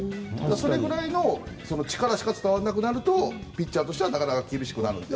それぐらいの力しか伝わらなくなるとピッチャーとしては厳しくなる。